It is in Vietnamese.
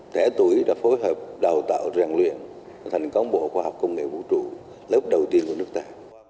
chính phủ đã phối hợp đào tạo rèn luyện thành công bộ khoa học công nghệ vũ trụ lớp đầu tiên của nước ta